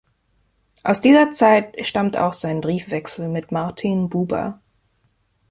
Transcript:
Aus dieser Zeit stammt auch sein Briefwechsel mit Martin Buber.